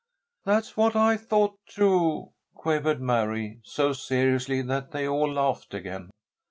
"That's what I thought, too," quavered Mary, so seriously that they all laughed again.